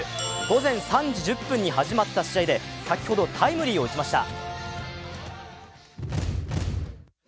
午前３時１０分に始まった試合で先ほどタイムリーを打ちました。